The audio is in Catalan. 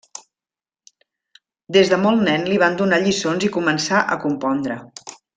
Des de molt nen li van donar lliçons i començà a compondre.